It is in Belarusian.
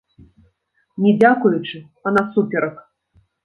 Не дзякуючы, а насуперак!